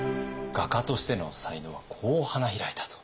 画家としての才能はこう花開いたと。